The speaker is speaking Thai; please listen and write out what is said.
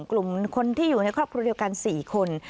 กลุ่มคนที่อยู่ในครอบครัวเดียวกัน๔คน